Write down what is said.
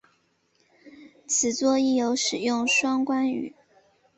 此作亦有使用双关语。